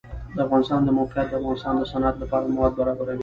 د افغانستان د موقعیت د افغانستان د صنعت لپاره مواد برابروي.